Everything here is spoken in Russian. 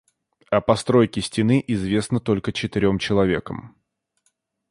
О постройке стены известно только четырём человекам.